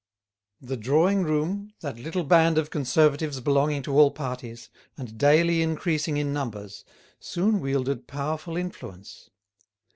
The drawing room, that little band of Conservatives belonging to all parties, and daily increasing in numbers, soon wielded powerful influence.